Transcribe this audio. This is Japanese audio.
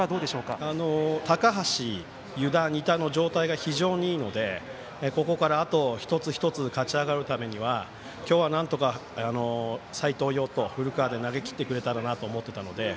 高橋、湯田、仁田の状態が非常にいいのでここから、あと一つ一つ勝ち上がるためには今日は、なんとか斎藤蓉と、古川で投げきってくれたらなと思っていたので。